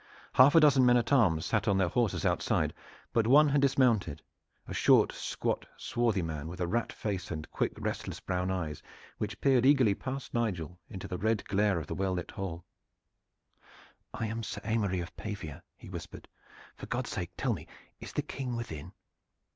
Half a dozen men at arms sat on their horses outside, but one had dismounted, a short, squat, swarthy man with a rat face and quick, restless brown eyes which peered eagerly past Nigel into the red glare of the well lit hall. "I am Sir Aymery of Pavia," he whispered. "For God's sake, tell me! is the King within?"